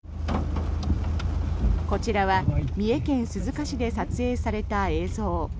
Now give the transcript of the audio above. こちらは三重県鈴鹿市で撮影された映像。